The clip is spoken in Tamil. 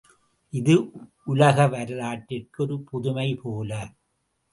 இது உலக வரலாற்றிற்கு ஒரு புதுமை போல!